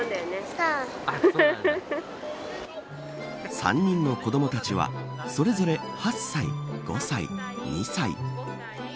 ３人の子どもたちはそれぞれ８歳、５歳、２歳。